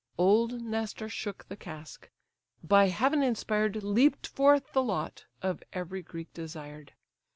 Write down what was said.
Old Nestor shook the casque. By heaven inspired, Leap'd forth the lot, of every Greek desired.